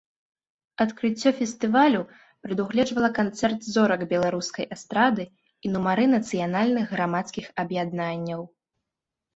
Адкрыццё фестывалю прадугледжвала канцэрт зорак беларускай эстрады і нумары нацыянальных грамадскіх аб'яднанняў.